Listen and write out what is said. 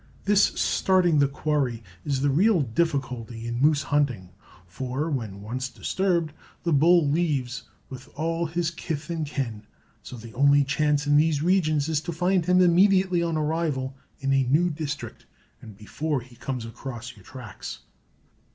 This starting the quarry is the real difficulty in moose hunting; for, when once disturbed, the bull leaves with all his kith and kin, so the only chance in these regions is to find him immediately on arrival in a new district and before he comes across your tracks.